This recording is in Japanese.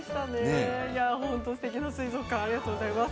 すてきな水族館ありがとうございます。